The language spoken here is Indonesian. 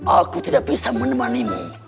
aku tidak bisa menemanimu